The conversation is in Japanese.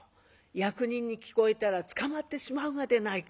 役人に聞こえたら捕まってしまうがでないか」。